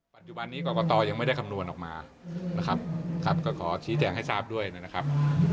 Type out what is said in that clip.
กรรมการร่างกฎหมายมาให้ความอินถึงสูตรนี้ด้วยไหมครับ